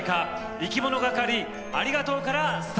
いきものがかり「ありがとう」からスタートです。